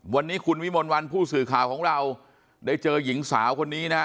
วันนี้คุณวิมลวันผู้สื่อข่าวของเราได้เจอหญิงสาวคนนี้นะฮะ